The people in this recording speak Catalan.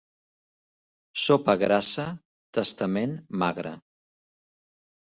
Sopa grassa, testament magre.